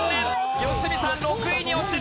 良純さん６位に落ちる。